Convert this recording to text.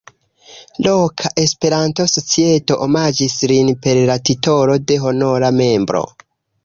Loka Esperanto-societo omaĝis lin per la titolo de honora membro.